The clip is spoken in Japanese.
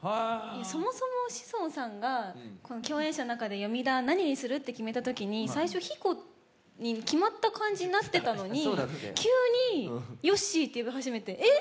そもそも志尊さんが共演者の中での呼び名を何にするってなったときに最初、ヒコに決まった感じになってたのに急にヨッシーって呼び始めてえっ？